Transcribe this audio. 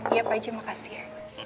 iya pak ji makasih ya